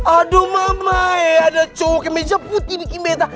aduh mamae ada cowoknya meja putih dikit beta